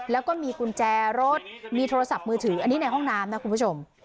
แล้วก็มีกุญแจรถมีโทรศัพท์มือถืออันนี้ในห้องน้ำนะคุณผู้ชม